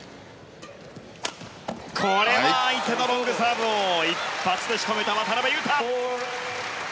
相手のロングサーブを一発で仕留めた渡辺勇大！